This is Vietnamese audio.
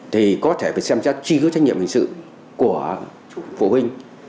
thì có thể phải xem trách trí cứu trách nhiệm hình sự của phụ huynh